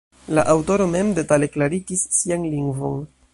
La aŭtoro mem detale klarigis sian lingvon.